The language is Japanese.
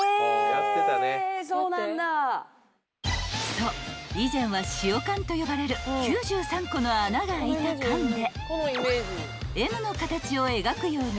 ［そう以前は塩缶と呼ばれる９３個の穴が開いた缶で］